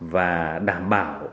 và đảm bảo